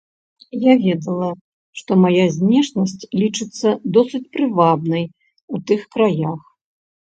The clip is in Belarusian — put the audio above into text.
Я ведала, што мая знешнасць лічыцца досыць прывабнай у тых краях.